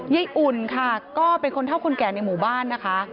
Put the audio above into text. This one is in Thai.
อุ่นค่ะก็เป็นคนเท่าคนแก่ในหมู่บ้านนะคะ